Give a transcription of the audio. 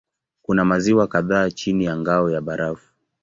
Kuna maziwa kadhaa chini ya ngao ya barafu.